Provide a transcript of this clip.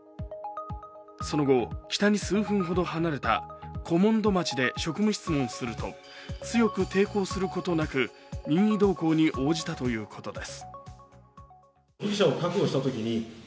その後、北に数分ほど離れた小門戸町で職務質問すると強く抵抗することなく任意同行に応じたということです。